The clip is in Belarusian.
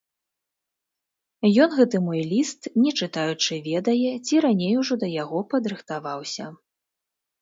Ён гэты мой ліст не чытаючы ведае, ці раней ужо да яго падрыхтаваўся.